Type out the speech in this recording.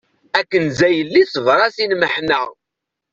A Kenza a yelli sbeṛ-as i lmeḥna.